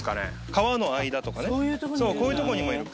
皮の間とかこういう所にもいる。